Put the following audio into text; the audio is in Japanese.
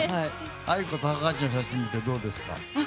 ａｉｋｏ、高橋の写真見てどうですか？